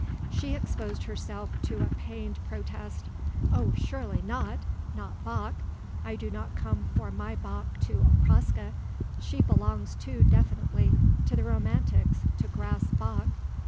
She exposed herself to a pained protest: "Oh surely not; not Bach; I do not come for my Bach to Okraska. She belongs too definitely to the romantics to grasp Bach.